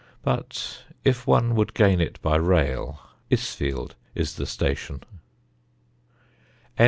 But if one would gain it by rail, Isfield is the station.